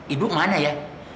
ibu kemana ya